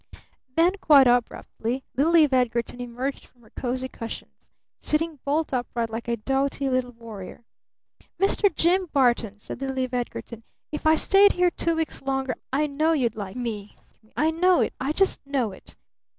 Then quite abruptly little Eve Edgarton emerged from her cozy cushions, sitting bolt upright like a doughty little warrior. "Mr. Jim Barton!" said little Eve Edgarton. "If I stayed here two weeks longer I know you'd like me! I know it! I just know it!"